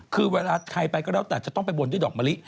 คือเวลาใครไปก็แล้วแต่จะต้องไปบนด้วยดอกมะลิ